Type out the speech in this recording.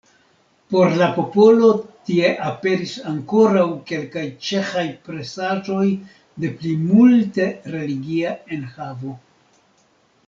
Por la popolo tie aperis ankoraŭ kelkaj ĉeĥaj presaĵoj de plimulte religia enhavo.